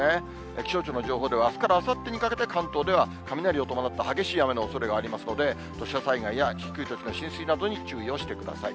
気象庁の情報では、あすからあさってにかけて、関東では雷を伴った激しい雨のおそれがありますので、土砂災害や低い土地の浸水などに注意をしてください。